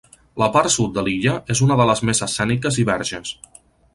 La part sud de l'illa és una de les més escèniques i verges.